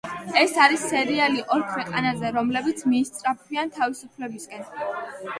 ეს არის სერიალი ორ ქვეყანაზე, რომლებიც მიისწრაფვიან თავისუფლებისკენ.